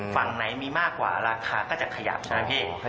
ฝั่งไหนมีมากกว่าราคาก็จะขยับใช่ไหมพี่